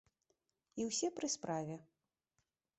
І ўсе пры справе!